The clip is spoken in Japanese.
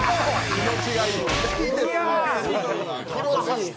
気持ちがいい。